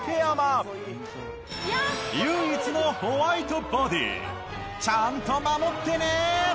唯一のホワイトボディちゃんと守ってね！